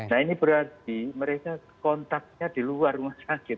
nah ini berarti mereka kontaknya di luar rumah sakit